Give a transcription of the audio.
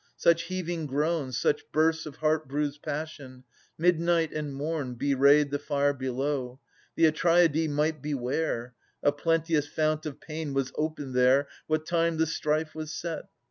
Such heaving groans, such biersts of heart bruised passion, Midnight and morn, bewrayed the fire below. ' The Atreidae might beware!' A plenteous fount of pain was opened there, What time the strife was set.